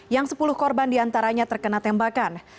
yang sepuluh korban diantaranya terkena tembakan